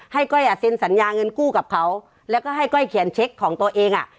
ก้อยอ่ะเซ็นสัญญาเงินกู้กับเขาแล้วก็ให้ก้อยเขียนเช็คของตัวเองอ่ะ